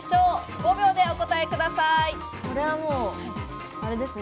５秒でお答えください。